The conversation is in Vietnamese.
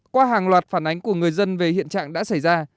qua hàng loạt phản ánh của người dân về hiện trạng đã xảy ra